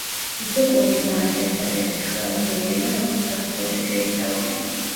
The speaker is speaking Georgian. უზბეკური ენა არის ერთადერთი შუა აზიური ენა, რომელსაც საქართველოში შეისწავლიან.